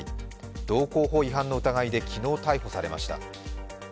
道交法違反の疑いで昨日、逮捕されました。